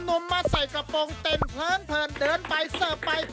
นุ่มมาใส่กระป๋องเต้นเผินเผินเดินไปเสิบไป